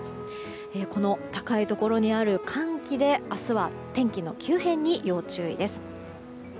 この高いところにある寒気で明日は天気の急変に要注意です。